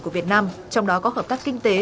của việt nam trong đó có hợp tác kinh tế